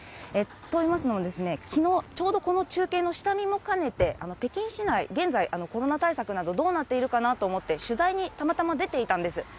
といいますのも、きのう、ちょうどこの中継の下見も兼ねて、北京市内、現在コロナ対策などどうなっているかなと思って取材にたまたま出ていたんです。